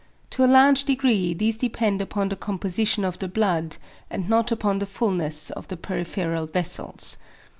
To a large degree these depend upon the composition of the blood, and not upon the fulness of the peripheral vessels.